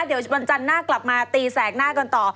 เดี๋ยววันจันทร์หน้ากลับมาตีแสกหน้ากันต่อ